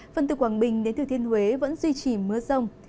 phần từ quảng bình đến thừa thiên huế vẫn duy trì mưa rông